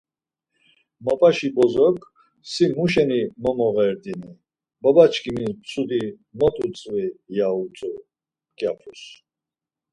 Mapaşi bozok, Si mu şeni momoğerdinit, baba çkimis mtsudi mot utzvi ya utzu mǩyapus.